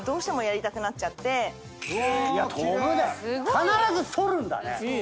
必ず反るんだね。